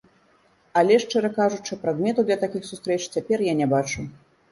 Але, шчыра кажучы, прадмету для такіх сустрэч цяпер я не бачу.